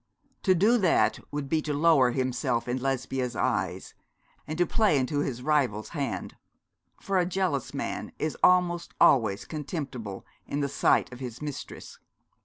To do that would be to lower himself in Lesbia's eyes, and to play into his rival's hand; for a jealous man is almost always contemptible in the sight of his mistress.